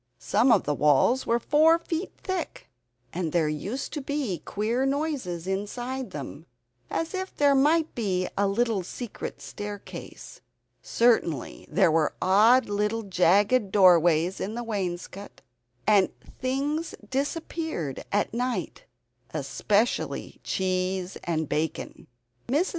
Some of the walls were four feet thick, and there used to be queer noises inside them, as if there might be a little secret staircase. Certainly there were odd little jagged doorways in the wainscot, and things disappeared at night especially cheese and bacon. Mrs.